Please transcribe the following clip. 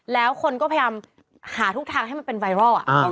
แล้วคนก็พยายามหาทุกทางให้มันเป็นไวรัล